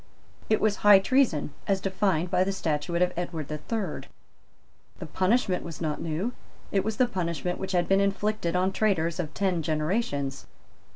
It was high treason as defined by the Statute of Edward the Third. The punishment was not new. It was the punishment which had been inflicted on traitors of ten generations.